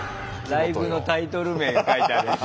ライブのタイトル名が書いてあるやつ。